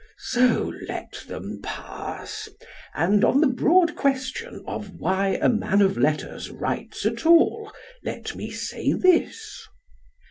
So let them pass, and on the broad question of why a man of letters writes at all let me say this.